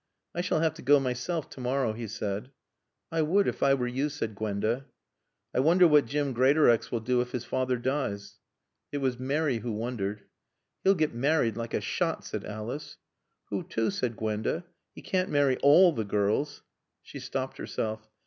"I shall have to go myself tomorrow," he said. "I would if I were you," said Gwenda. "I wonder what Jim Greatorex will do if his father dies." It was Mary who wondered. "He'll get married, like a shot," said Alice. "Who to?" said Gwenda. "He can't marry all the girls " She stopped herself.